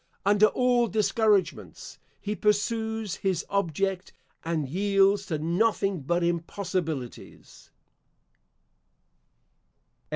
Under all discouragements, he pursues his object, and yields to nothing but impossibilities.